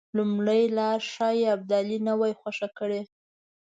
لومړۍ لاره ښایي ابدالي نه وای خوښه کړې.